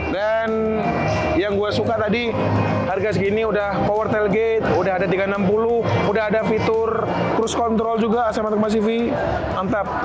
dan yang gua suka tadi harga segini udah power tailgate udah ada tiga ratus enam puluh udah ada fitur cruise control juga ase matok masivi antap